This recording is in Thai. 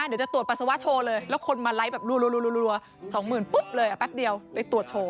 เดี๋ยวจะตรวจปัสสาวะโชว์เลยแล้วคนมาไลก์๒๐๐๐๐มาแป๊บเดียว